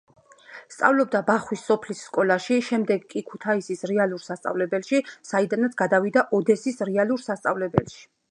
სწავლობდა ბახვის სოფლის სკოლაში, შემდეგ კი ქუთაისის რეალურ სასწავლებელში, საიდანაც გადავიდა ოდესის რეალურ სასწავლებელში.